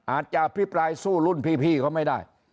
อภิปรายสู้รุ่นพี่เขาไม่ได้